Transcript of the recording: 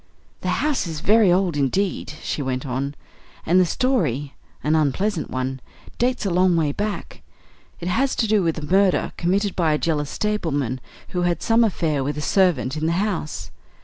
"The house is very old indeed," she went on, "and the story an unpleasant one dates a long way back. It has to do with a murder committed by a jealous stableman who had some affair with a servant in the house.